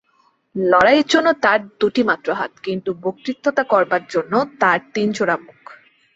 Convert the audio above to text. লড়াইয়ের জন্যে তাঁর দুটিমাত্র হাত, কিন্তু বক্তৃতা করবার জন্যে তাঁর তিন-জোড়া মুখ।